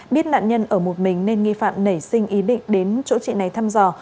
biết nạn nhân ở một mình nên nghi phạm nảy sinh ý định đến chỗ chị này thăm dò